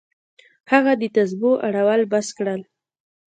هغه د تسبو اړول بس کړل.